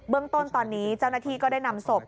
เรื่องต้นตอนนี้เจ้าหน้าที่ก็ได้นำศพ